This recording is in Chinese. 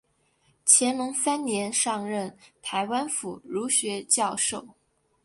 乾隆三年上任台湾府儒学教授。